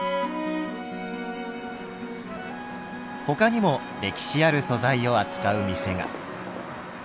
ほかにも歴史ある素材を扱う店が。